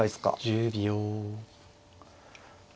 １０秒。